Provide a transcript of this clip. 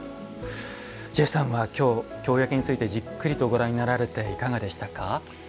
ジェフさんはきょう、京焼についてじっくりとご覧になられていかがでしたか？